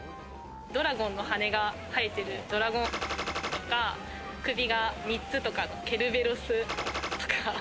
ドラゴンの羽が生えてるドラゴンとか、首が三つとかのケルベロスとか。